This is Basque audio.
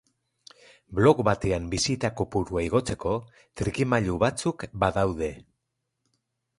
Blog batean bisita kopurua igotzeko trikimailu batzuk badaude.